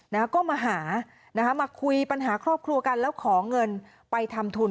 นะฮะก็มาหานะคะมาคุยปัญหาครอบครัวกันแล้วขอเงินไปทำทุน